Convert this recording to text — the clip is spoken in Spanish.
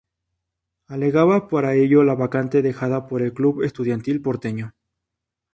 Alegaba para ello la vacante dejada por el club Estudiantil Porteño.